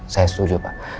saya setuju pak